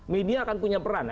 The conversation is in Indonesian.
media akan punya peran